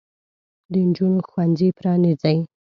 د نجونو ښوونځي پرانیزئ.